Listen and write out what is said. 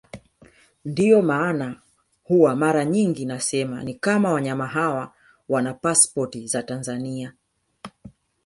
Ndio maana huwa mara nyingi nasema ni kama wanyama hawa wana pasipoti za Tanzania